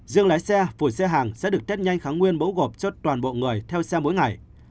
dương lái xe phủ xe hàng sẽ được tết nhanh kháng nguyên mẫu gộp cho toàn bộ người theo xe mỗi ngày